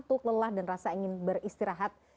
untuk lelah dan rasa ingin beristirahat